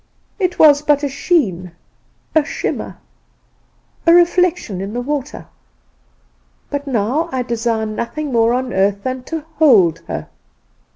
It was but a sheen, a shimmer, a reflection in the water; but now I desire nothing more on earth than to hold her.